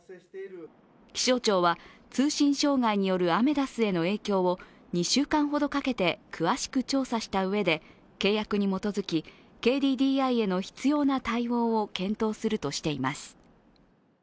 気象庁は、通信障害によるアメダスへの影響を２週間ほどかけて詳しく調査したうえで、契約に基づき、ＫＤＤＩへの必要な対応を検討するとしています。